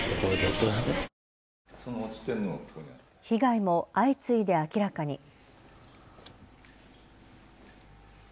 被害も相次いで明らかに。